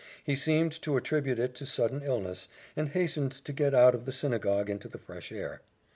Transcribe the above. He seemed to attribute it to sudden illness, and hastened to get out of the synagogue into the fresh air.